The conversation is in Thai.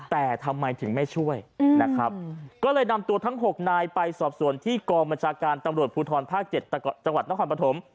แต่ทำไมถึงไม่ช่วยนะครับก็เลยนำตัวทั้ง๖นายไปสอบส่วนที่กองบัญชาการตำรวจภูทรภาค๗จังหวัดนครปฐม